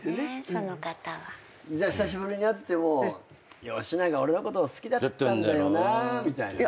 その方は。じゃあ久しぶりに会っても「吉永俺のこと好きだったんだよな」みたいな。